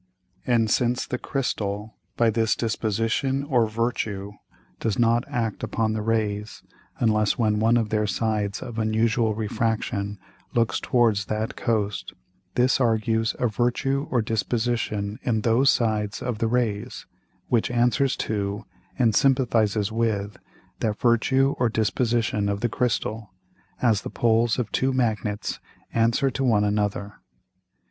And since the Crystal by this Disposition or Virtue does not act upon the Rays, unless when one of their Sides of unusual Refraction looks towards that Coast, this argues a Virtue or Disposition in those Sides of the Rays, which answers to, and sympathizes with that Virtue or Disposition of the Crystal, as the Poles of two Magnets answer to one another.